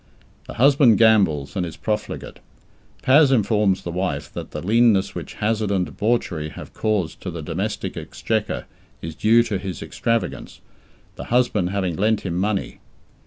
The husband gambles and is profligate. Paz informs the wife that the leanness which hazard and debauchery have caused to the domestic exchequer is due to his extravagance, the husband having lent him money.